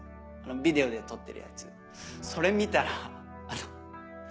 ビデオで撮ってるやつそれ見たらあの。